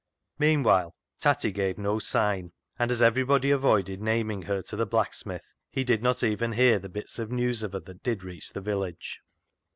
Meanwhile Tatty gave no sign, and as everybody avoided naming her to the black smith, he did not even hear the bits of news of her that did reach the village.